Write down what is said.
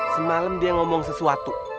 semalam dia ngomong sesuatu